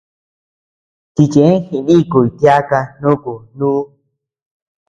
Chichee jinikuy tiaka nuku nduu.